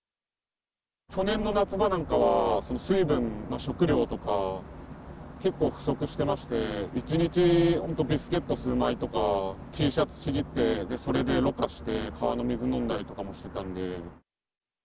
去年の夏場なんかは水分、食料とか結構不足してまして、１日本当、ビスケット数枚とか、Ｔシャツちぎってそれでろ過して、川の水飲んだりとかもしてたんで。